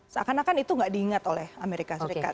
seakan akan itu nggak diingat oleh amerika serikat